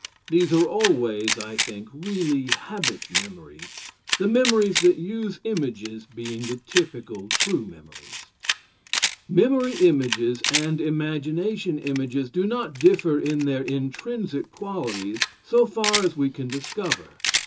These are always, I think, really habit memories, the memories that use images being the typical true memories. Memory images and imagination images do not differ in their intrinsic qualities, so far as we can discover.